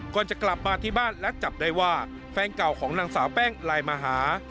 ก่อนจะกลับมาที่บ้านและจับได้ว่าแฟนเก่าของนางสาวแป้งไลน์มาหา